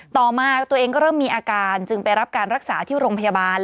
ต่อมาตัวเองก็เริ่มมีอาการจึงไปรับการรักษาที่โรงพยาบาล